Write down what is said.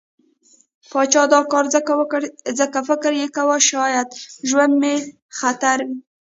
پاچا دا کار ځکه وکړ، ځکه فکر يې کوه شايد ژوند ته مې خطر وي.